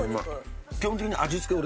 基本的に味付け